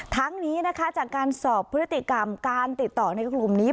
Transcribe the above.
ทั้งนี้นะคะจากการสอบพฤติกรรมการติดต่อในกลุ่มนี้